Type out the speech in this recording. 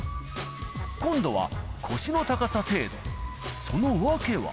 今度は腰の高さ程度、その訳は。